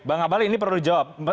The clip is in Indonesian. bang abalin ini perlu dijawab